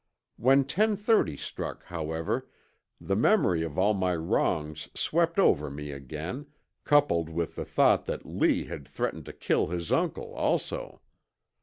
When ten thirty struck, however, the memory of all my wrongs swept over me again, coupled with the thought that Lee had threatened to kill his uncle, also.